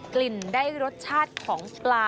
กลิ่นได้รสชาติของปลา